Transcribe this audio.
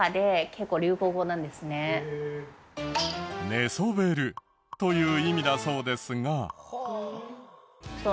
「寝そべる」という意味だそうですが。